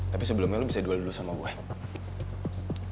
tapi sebelumnya lo bisa dua dulu sama gue